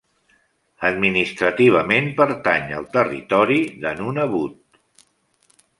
Administrativament pertany al territori de Nunavut.